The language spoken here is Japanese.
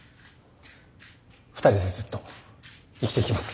２人でずっと生きていきます。